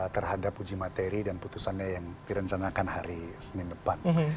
terhadap uji materi dan putusannya yang direncanakan hari senin depan